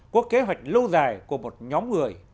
có kế hoạch lâu dài của một nhóm người